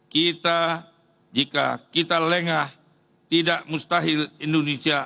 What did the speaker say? kita jika kita lengah tidak mustahil indonesia